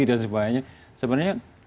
dan sebagainya sebenarnya